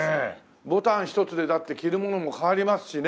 ボタンひとつでだって着るものも変わりますしね。